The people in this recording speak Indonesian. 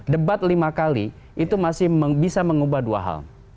debat lima kali itu masih bisa mengubah dua hal